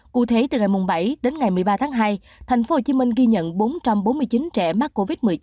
cụ thể từ ngày bảy đến ngày một mươi ba tháng hai thành phố hồ chí minh ghi nhận bốn trăm bốn mươi chín trẻ mắc covid một mươi chín